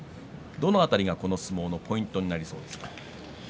どの辺りがこの相撲のポイントですか。